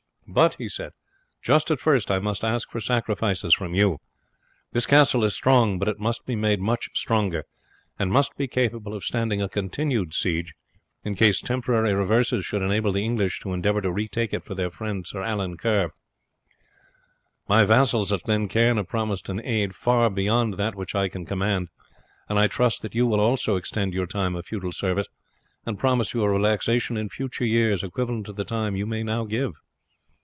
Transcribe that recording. "But," he said, "just at first I must ask for sacrifices from you. This castle is strong, but it must be made much stronger, and must be capable of standing a continued siege in case temporary reverses should enable the English to endeavour to retake it for their friend, Sir Allan Kerr. My vassals at Glen Cairn have promised an aid far beyond that which I can command, and I trust that you also will extend your time of feudal service, and promise you a relaxation in future years equivalent to the time you may now give."